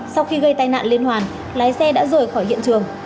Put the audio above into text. sau khi gây tai nạn liên hoàn lái xe đã rời khỏi hiện trường